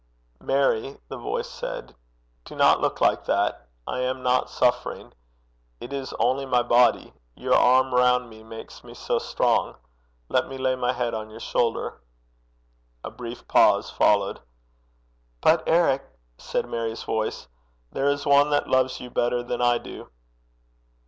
'Mary,' the voice said, 'do not look like that. I am not suffering. It is only my body. Your arm round me makes me so strong! Let me lay my head on your shoulder.' A brief pause followed. 'But, Eric,' said Mary's voice, 'there is one that loves you better than I do.'